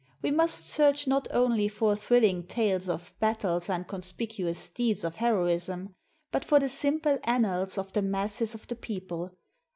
We must search not only for thrilling tales of battles and conspicuous deeds of hero ism, but for the simple annals of the masses of the people.